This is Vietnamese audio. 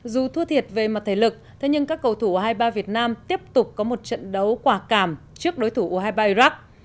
dù thua thiệt về mặt thể lực thế nhưng các cầu thủ u hai mươi ba việt nam tiếp tục có một trận đấu quả cảm trước đối thủ u hai mươi ba iraq